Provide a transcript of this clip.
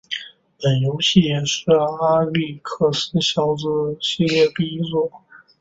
本游戏也是阿历克斯小子系列第一作。